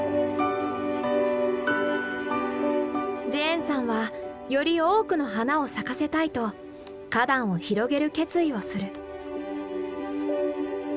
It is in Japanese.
ジェーンさんはより多くの花を咲かせたいと花壇を広げる決意をする。